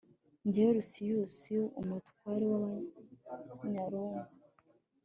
jyewe lusiyusi, umutware w'abanyaroma